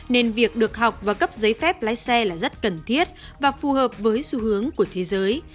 nên việc được học và cấp giấy phép lái xe là rất cần thiết và phù hợp với xu hướng